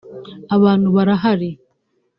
abantu barahari